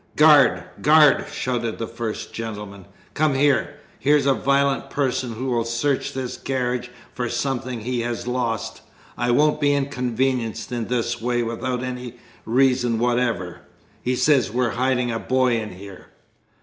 "Guard, guard!" shouted the first gentleman. "Come here. Here's a violent person who will search this carriage for something he has lost. I won't be inconvenienced in this way without any reason whatever! He says we're hiding a boy in here!"